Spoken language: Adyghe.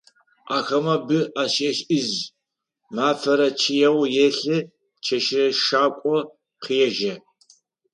Ахэмэ бы ащешӏышъ, мафэрэ чъыеу елъы, чэщырэ шакӏо къежьэ.